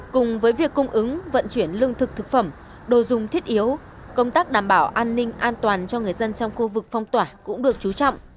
cùng với việc cung ứng vận chuyển lương thực thực phẩm đồ dùng thiết yếu công tác đảm bảo an ninh an toàn cho người dân trong khu vực phong tỏa cũng được chú trọng